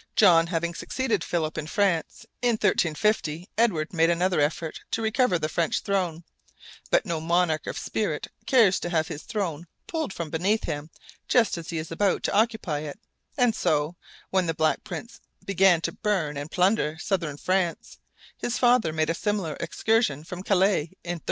] John having succeeded Philip in France, in 1350 Edward made another effort to recover the French throne; but no monarch of spirit cares to have his throne pulled from beneath him just as he is about to occupy it, and so, when the Black Prince began to burn and plunder southern France, his father made a similar excursion from Calais, in 1355.